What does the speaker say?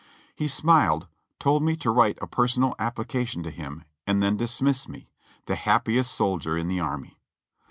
He smiled, told me to write a personal application to him. and then dismissed me, the happiest soldier in the army.